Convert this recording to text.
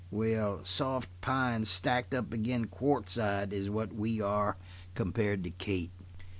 Well, soft pine stacked up agin' quartzite, is what we are compared to Kate."